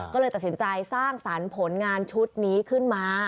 ก็เลยตัดสินใจสร้างสรรค์ผลงานชุดนี้ขึ้นมา